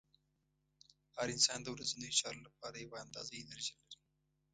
هر انسان د ورځنیو چارو لپاره یوه اندازه انرژي لري.